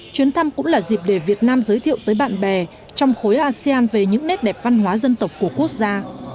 chuyến thăm cũng là dịp để việt nam giới thiệu tới bạn bè trong khối asean về những nét đẹp văn hóa dân tộc của quốc gia